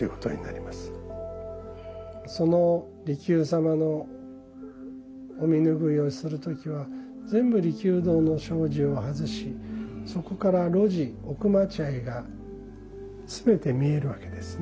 その利休様のお身拭いをする時は全部利休堂の障子を外しそこから露地奥待合が全て見えるわけですね。